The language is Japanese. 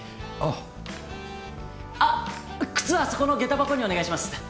あっ靴はそこの下駄箱にお願いします。